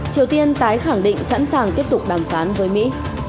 triều tiên tái khẳng định sẵn sàng tiếp tục đàm phán với mỹ